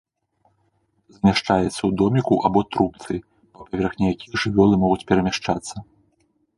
Змяшчаецца ў доміку або трубцы, па паверхні якіх жывёлы могуць перамяшчацца.